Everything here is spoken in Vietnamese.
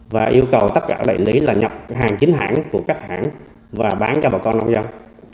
và yêu cầu tất cả đại lý là nhập hàng chính hãng của các hãng và bán cho bà con nông dân